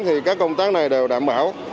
thì các công tác này đều đảm bảo